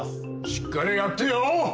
しっかりやってよー